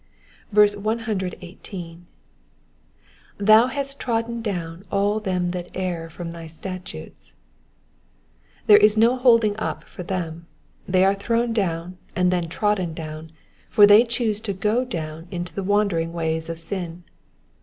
118. "7%^ hast trodden down all them that err from thy statutes,^"* There is no holding up for them ; they are thrown down and then trodden down, for they choose to go down into the wandering ways of sin.